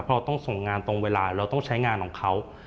เราต้องส่งงานตรงเวลาเราต้องใช้งานของเขา